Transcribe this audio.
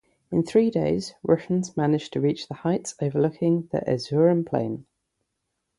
In three days Russians managed to reach the heights overlooking the Erzurum plain.